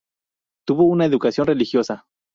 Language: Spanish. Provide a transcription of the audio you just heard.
Tuvo una educación religiosa.